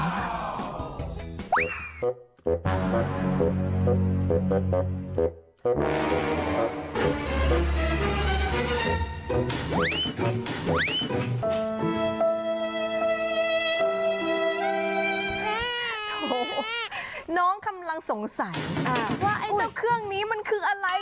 โอ้โหน้องกำลังสงสัยว่าไอ้เจ้าเครื่องนี้มันคืออะไร